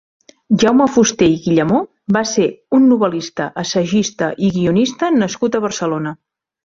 Jaume Fuster i Guillemó va ser un novel·lista, assagista i guionista nascut a Barcelona.